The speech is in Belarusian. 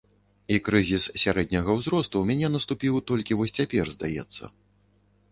І крызіс сярэдняга ўзросту ў мяне наступіў толькі вось цяпер, здаецца.